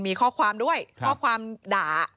มีข้อความด้วยข้อความด่า